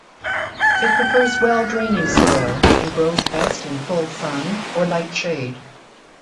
It prefers well-draining soil, and grows best in full sun or light shade.